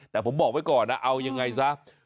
แต่ผมบอกไว้ก่อนนะเอายังไงซะ